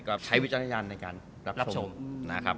ก็ใช้วิจารณญาณในการรับชมนะครับ